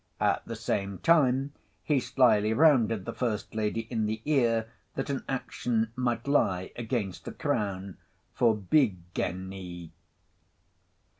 At the same time, he slily rounded the first lady in the ear, that an action might lie against the Crown for bi geny.